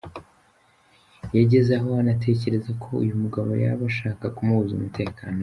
Yageze aho anatekereza ko uyu mugabo yaba ashaka kumubuza umutekano we.